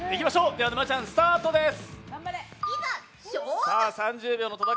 では沼ちゃんスタートです！